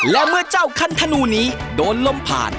และเมื่อเจ้าคันธนูนี้โดนลมผ่าน